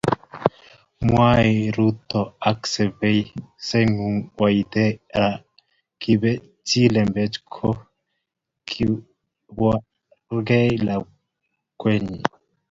mwairutu ak sepyoseengung, waithera kipetchi lembech kole kibargee lakwenying